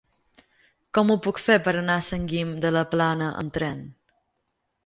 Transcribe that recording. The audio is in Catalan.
Com ho puc fer per anar a Sant Guim de la Plana amb tren?